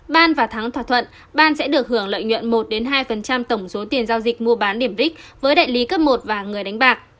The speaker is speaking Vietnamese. ban và thắng thỏa thuận ban sẽ được hưởng lợi nhuận một hai tổng số tiền giao dịch mua bán điểm rich với đại lý cấp một và người đánh bạc